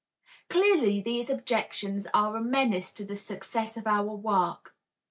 Clearly these objections are a menace to the success of our work.